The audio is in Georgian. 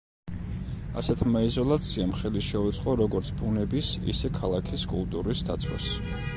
ასეთმა იზოლაციამ ხელი შეუწყო როგორც ბუნების, ისე ქალაქის კულტურის დაცვას.